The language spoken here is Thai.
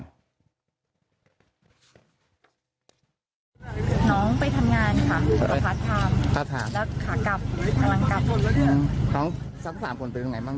น้องไปทำงานค่ะแล้วขากลับอ๋อน้องสามสามคนเป็นไหนบ้าง